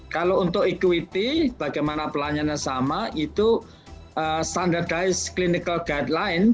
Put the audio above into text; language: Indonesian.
kalau untuk equity bagaimana pelan pelan yang sama itu standar klinis